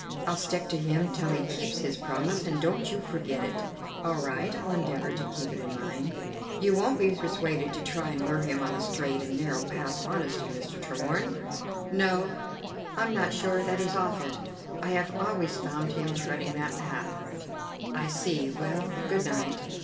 I'll stick to him till he keeps his promise, and don't you forget it." "All right, I'll endeavour to keep it in mind." "You won't be persuaded to try and lure him on to the straight and narrow path of honesty, Mr. Tremorne?" "No, I'm not sure that he's off it. I have always found him treading that path." "I see. Well, good night.